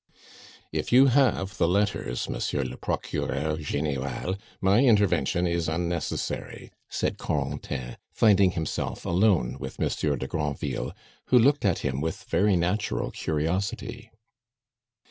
"If you have the letters, Monsieur le Procureur General, my intervention is unnecessary," said Corentin, finding himself alone with Monsieur de Granville, who looked at him with very natural curiosity.